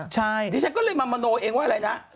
ฉันก็เลยมาโมนเองว่าไรนะ